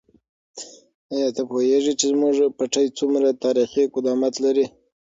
آیا ته پوهېږې چې زموږ پټی څومره تاریخي قدامت لري؟